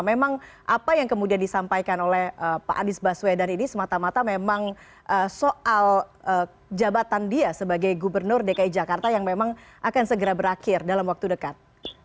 memang apa yang kemudian disampaikan oleh pak anies baswedan ini semata mata memang soal jabatan dia sebagai gubernur dki jakarta yang memang akan segera berakhir dalam waktu dekat